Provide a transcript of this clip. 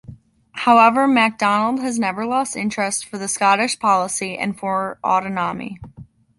However, MacDonald has never lost interest for the Scottish policy and for autonomy.